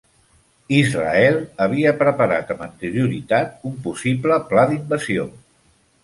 Israel havia preparat amb anterioritat un possible pla d'invasió.